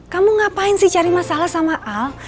kamu ngapain sih cari masalah sama al